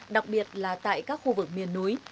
đặc biệt là tại các khu vực miền núi